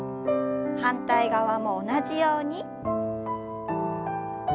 反対側も同じように。